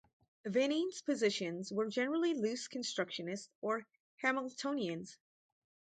Vining's positions were generally loose-constructionist, or Hamiltonian.